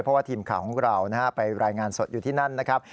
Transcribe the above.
เพราะว่าทีมข่าวของเราไปรายงานสดอยู่ที่นั่นนะครับ